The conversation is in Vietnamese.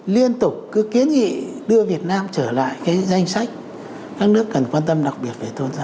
liên tục cứ kiến nghị đưa việt nam trở lại cái danh sách các nước cần quan tâm đặc biệt về tôn giáo